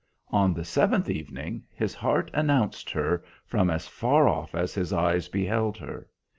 On the seventh evening his heart announced her, from as far off as his eyes beheld her.